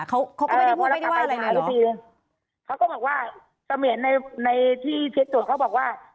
เขาก็ไม่ได้พูดไม่ได้ว่าอะไรเลยหรอเขาก็บอกว่าตะเหมียนในในที่เทรนด์ส่วนเขาบอกว่า